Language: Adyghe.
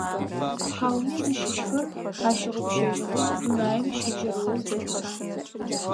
Хьауми зыщыщхэр ащыгъупшэжьыгъэу дунаим щыджэрыоу тетыха?